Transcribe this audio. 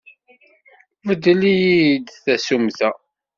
Beddel-iyi-d tasumta.